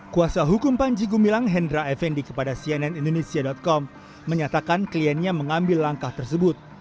kuasa hukum panji gumilang hendra effendi kepada cnn indonesia com menyatakan kliennya mengambil langkah tersebut